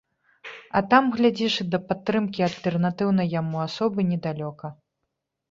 А там, глядзіш, і да падтрымкі альтэрнатыўнай яму асобы недалёка.